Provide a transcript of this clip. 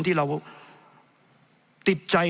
ที่เราติดใจ